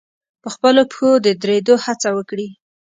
په خپلو پښو د درېدو هڅه وکړي.